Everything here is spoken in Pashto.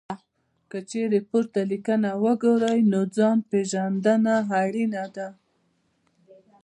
که چېرې پورته لیکنه وګورئ، نو ځان پېژندنه اړینه ده.